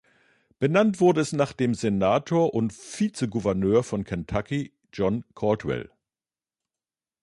Benannt wurde es nach dem Senator und Vizegouverneur von Kentucky John Caldwell.